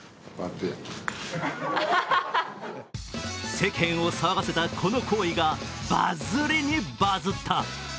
世間を騒がせたこの行為がバズりにバズった。